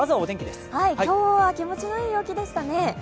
今日は気持ちのいいお天気でしたね。